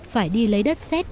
phải đi lấy đất xét